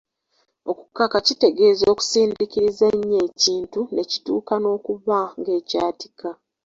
Okukaka kitegeeza okusindiikiriza ennyo ekintu ne kituuka n’okuba ng’ekyatika.